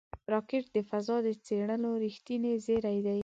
راکټ د فضا د څېړنو رېښتینی زېری دی